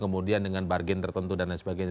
kemudian dengan bargain tertentu dan lain sebagainya